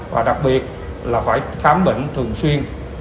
và đặc biệt là phải khám bệnh thường xuyên